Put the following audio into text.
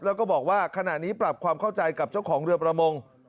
แล้วก็บอกว่าขณะนี้ปรับความเข้าใจกับเจ้าของเรือประมง